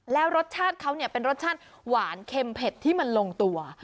แล้วรสชาติเขาเนี่ยเป็นรสชาติหวานเค็มเผ็ดที่มันลงตัว